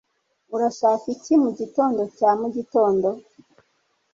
urashaka iki mugitondo cya mugitondo